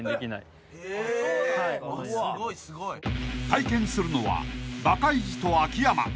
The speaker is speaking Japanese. ［体験するのはバカイジと秋山］